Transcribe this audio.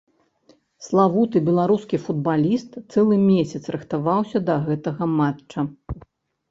Славуты беларускі футбаліст цэлы месяц рыхтаваўся да гэтага матча.